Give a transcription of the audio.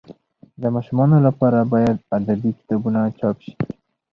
د ماشومانو لپاره باید ادبي کتابونه چاپ سي.